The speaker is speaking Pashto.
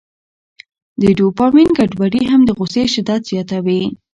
د ډوپامین ګډوډي هم د غوسې شدت زیاتوي.